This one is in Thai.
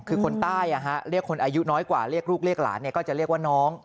คือคนใต้เรียกคนอายุน้อยกว่าเรียกลูกเรียกหลานก็จะเรียกว่าน้อง